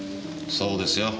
そうですよ。